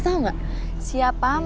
usung sia sia ab disponnya ya hou